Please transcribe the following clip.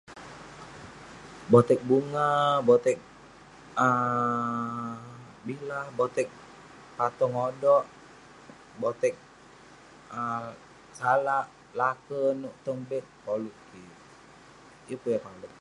botek bunga, botek um bilah, botek patong odok, botek salak, lake nouk tong beg koluk kik, yeng pun kolek